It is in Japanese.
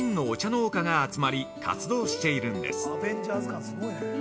農家が集まり活動しているんです。